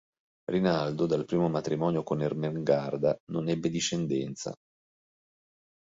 Rinaldo, dal primo matrimonio con Ermengarda, non ebbe discendenza.